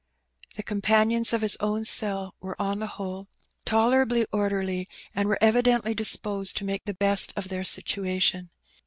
The companions of his own cell were on the whole tole 170 Hbb Bennt. rably orderly^ and were evidently disposed to make the best of their situation.